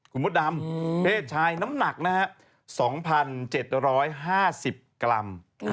คุณพุทธดำเพศชายน้ำหนัก๒๗๕๐กรัม